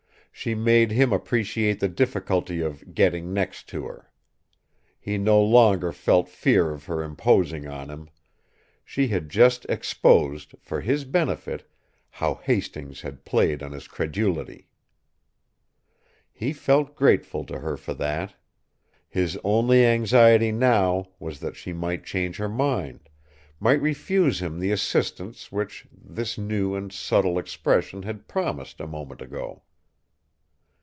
She made him appreciate the difficulty of "getting next" to her. He no longer felt fear of her imposing on him she had just exposed, for his benefit, how Hastings had played on his credulity! He felt grateful to her for that. His only anxiety now was that she might change her mind, might refuse him the assistance which that new and subtle expression had promised a moment ago.